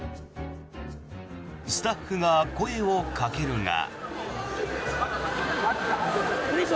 スタッフが声をかけるが。